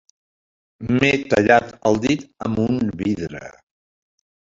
M'he tallat el dit amb un vidre.